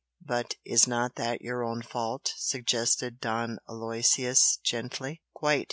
"But is not that your own fault?" suggested Don Aloysius, gently. "Quite!"